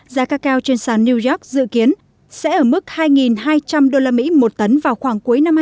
giá cacao trên sàn new york dự kiến sẽ ở mức hai hai trăm linh usd một tấn vào khoảng cuối năm hai nghìn hai mươi